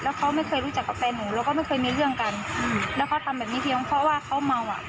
เขาไม่เคยรู้จักกับแฟนหนูแล้วก็ไม่เคยมีเรื่องกันอืมแล้วเขาทำแบบนี้ทีเพราะว่าเขาเมาอ่ะ